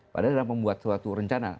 padahal dalam membuat suatu rencana